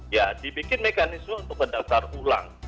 ya dibikin mekanisme untuk mendaftar ulang